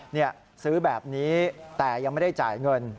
นี่ซื้อแบบนี้แต่ยังไม่ได้จ่ายเงิน